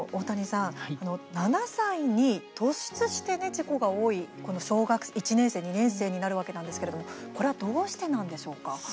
７歳に突出して事故が多いこの小学１年生、２年生になるわけなんですけれどもこれはどうしてなんでしょうか？